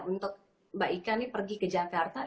untuk mbak ika ini pergi ke jakarta